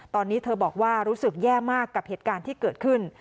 ตอนนี้เธอบอกว่ารู้สึกแย่มากกับเหตุการณ์ที่เกิดขึ้น